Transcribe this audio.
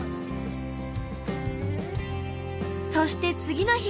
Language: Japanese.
そして次の日。